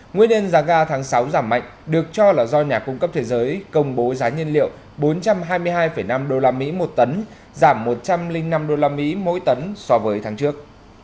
nguyên nhân giá ga tháng sáu giảm mạnh được cho là do nhà cung cấp thế giới công bố giá nhiên liệu bốn trăm hai mươi hai năm usd một tấn giảm một trăm linh năm usd mỗi tấn so với tháng trước